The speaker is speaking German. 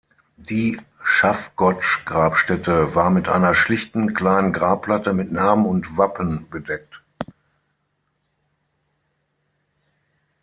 Die Schaffgotsch-Grabstätte war mit einer schlichten, kleinen Grabplatte mit Namen und Wappen bedeckt.